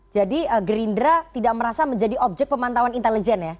jadi gerindra tidak merasa menjadi objek pemantauan intelijen ya